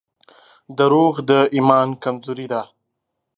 • دروغ د ایمان کمزوري ده.